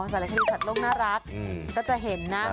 อ๋อสารคดีชัดลงน่ารักก็จะเห็นนะ